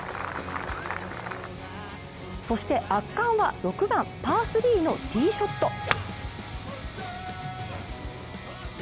そして圧巻は６番パー３のティーショット。